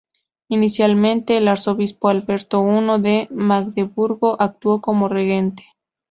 Inicialmente, el arzobispo Alberto I de Magdeburgo actuó como regente.